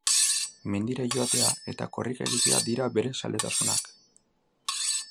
Mendira joatea eta korrika egitea dira bere zaletasunak.